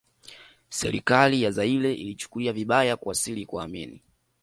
Serikali ya Zairea ilichukulia vibaya kuwasili kwa Amin